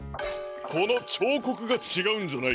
このちょうこくがちがうんじゃないか？